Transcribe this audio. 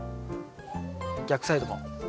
逆サイドも。